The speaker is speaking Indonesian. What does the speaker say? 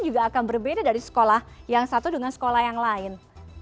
juga akan berbeda dari sekolah yang satu dengan sekolah yang lain